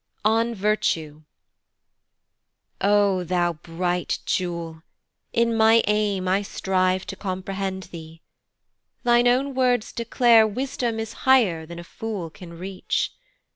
O N V I R T U E. O Thou bright jewel in my aim I strive To comprehend thee. Thine own words declare Wisdom is higher than a fool can reach.